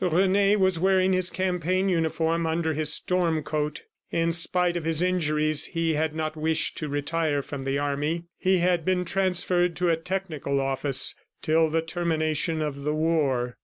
Rene was wearing his campaign uniform under his storm coat. In spite of his injuries, he had not wished to retire from the army. He had been transferred to a technical office till the termination of the war.